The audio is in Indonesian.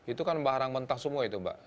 itu kan barang mentah semua itu mbak